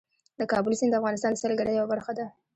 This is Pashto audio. د کابل سیند د افغانستان د سیلګرۍ یوه برخه ده.